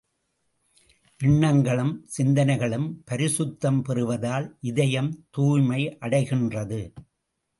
எண்ணங்களும், சிந்தனைகளும் பரிசுத்தம் பெறுவதால் இதயம் தூய்மை அடைகின்றது.